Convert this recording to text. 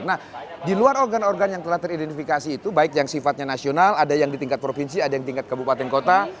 nah di luar organ organ yang telah teridentifikasi itu baik yang sifatnya nasional ada yang di tingkat provinsi ada yang tingkat kabupaten kota